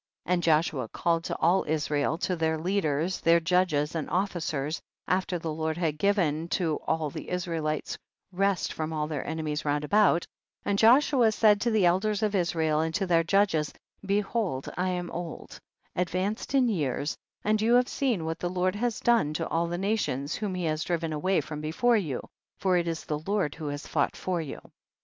33. And Joshua called to all Is rael, to their elders, their judges and officers, after the Lord had given to all the Israelites rest from all their enemies round about, and Joshua said to the elders of Israel, and to their judges, behold I am old, ad vanced in years, and you have seen what the Lord has done to all the nations whom he has driven away from before you, for it is the Lord who has fought for you.